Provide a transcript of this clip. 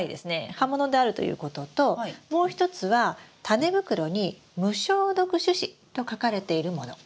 葉物であるということともう一つはタネ袋に「無消毒種子」と書かれているもの。